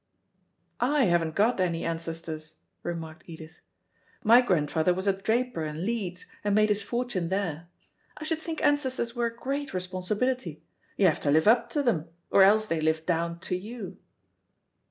"I haven't got any ancestors," remarked Edith. "My grandfather was a draper in Leeds, and made his fortune there. I should think ancestors were a great responsibility; you have to live up to them, or else they live down to you."